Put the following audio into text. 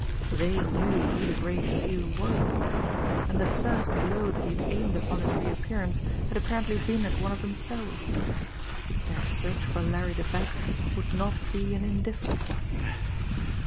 They knew who the Gray Seal was now, and the first blow that he had aimed upon his reappearance had apparently been at one of themselves. Their search for Larry the Bat would not be an indifferent one!